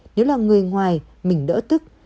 nếu là người ngoài mình đỡ tức